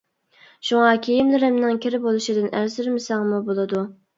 شۇڭا كىيىملىرىمنىڭ كىر بولۇشىدىن ئەنسىرىمىسەڭمۇ بولىدۇ.